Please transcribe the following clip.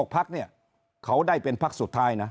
พักเนี่ยเขาได้เป็นพักสุดท้ายนะ